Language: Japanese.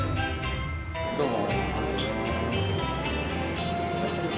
どうも。